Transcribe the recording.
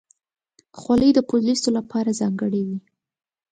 خولۍ د پولیسو لپاره ځانګړې وي.